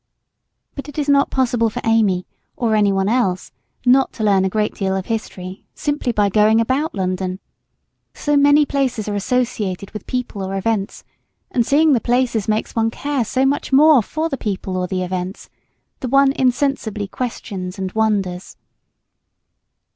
But it is not possible for Amy or any one else not to learn a great deal of history simply by going about London. So many places are associated with people or events, and seeing the places makes one care so much more for the people or the events, that one insensibly questions and wonders.